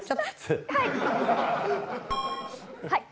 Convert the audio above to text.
はい。